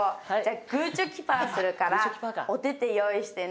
『グーチョキパー』するからお手手用意してね。